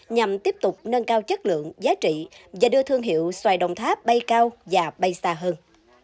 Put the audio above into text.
nhằm tiếp tục nâng cao chất lượng giá trị và đưa thương hiệu xoài đồng tháp bay cao và bay xa hơn